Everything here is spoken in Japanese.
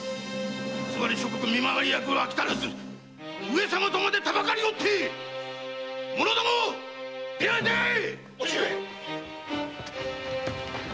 偽諸国見回り役に飽きたらず上様とまでたばかりおって！ものども出会え出会え！